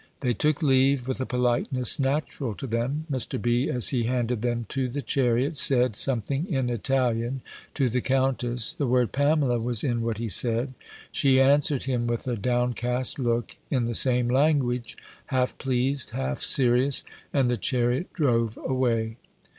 They took leave with a politeness natural to them. Mr. B., as he handed them to the chariot, said something in Italian to the Countess: the word Pamela was in what he said: she answered him with a downcast look, in the same language, half pleased, half serious, and the chariot drove away.